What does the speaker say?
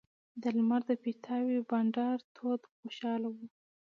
د لمر د پیتاوي بنډار تود و خوشاله وو.